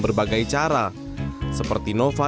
berbagai cara seperti nova